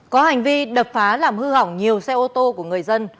có hành vi đập phá làm hư hỏng nhiều xe ô tô của người dân